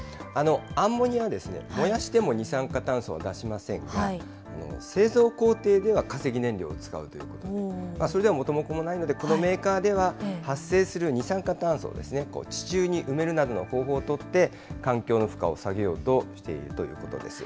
アンモニアは燃やしても二酸化炭素は出しませんが、製造工程では化石燃料を使うということで、それでは元も子もないので、このメーカーでは、発生する二酸化炭素を地中に埋めるなどの方法を取って、環境の負荷を下げようとしているということです。